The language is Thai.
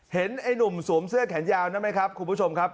ไอ้หนุ่มสวมเสื้อแขนยาวนั่นไหมครับคุณผู้ชมครับ